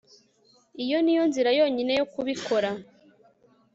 iyo niyo nzira yonyine yo kubikora